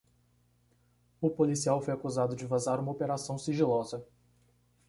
O policial foi acusado de vazar uma operação sigilosa.